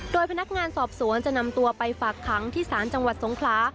โดยพนักงานสอบสวนจะนำตัวไปฝากขังที่ศาลจังหวัดสงคลา